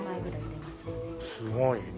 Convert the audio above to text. すごいね！